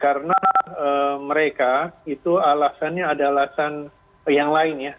karena mereka itu alasannya ada alasan yang lain ya